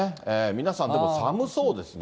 皆さん、でも寒そうですね。